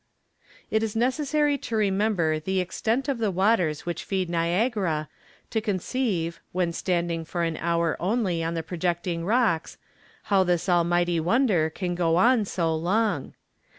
It is necessary to remember the extent of the waters which feed Niagara, to conceive, when standing for an hour only on the projecting rocks, how this almighty wonder can go on so long.